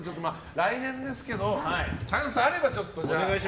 来年ですけどチャンスあればちょっとじゃあ。